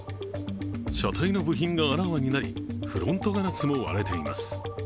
車体の部品があらわになりフロントガラスも割れています。